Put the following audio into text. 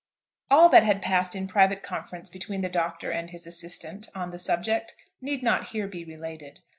All that had passed in private conference between the Doctor and his assistant on the subject need not here be related.